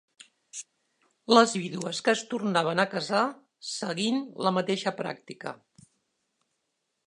Les vídues que es tornaven a casar seguin la mateixa pràctica.